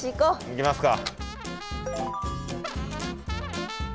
行きますか！